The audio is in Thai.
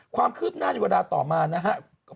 ความคืบหน้าในเวลาต่อมานะครับ